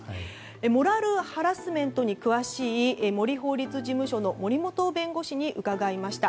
モラルハラスメントに詳しい森法律事務所の森元弁護士に伺いました。